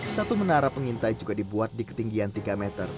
satu menara pengintai juga dibuat di ketinggian tiga meter